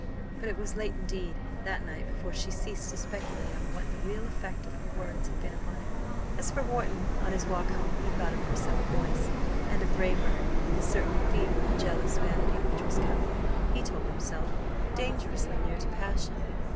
But it was late indeed that night before she ceased to speculate on what the real effect of her words had been upon him. As for Wharton, on his walk home he thought of Marcella Boyce and of Raeburn with a certain fever of jealous vanity which was coming, he told himself, dangerously near to passion.